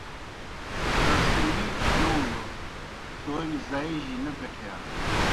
بَسمِرِیلوْ منُوڙوْ تومیْ زائی جیْ نہ بیٹِھیا۔